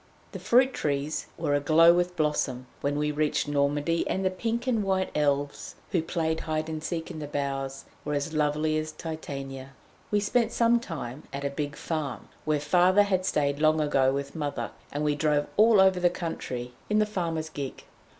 The fruit trees were a glow with blossom when we reached Normandy, and the pink and white Elves who played hide and seek in the boughs were as lovely as Titania. We spent some time at a big farm, where Father had stayed long ago with Mother, and we drove all over the country in the farmer's gig.